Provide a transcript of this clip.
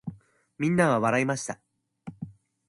皆は笑いました。